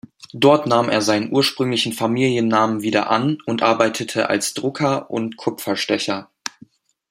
Dort nahm er seinen ursprünglichen Familiennamen wieder an und arbeitete als Drucker und Kupferstecher.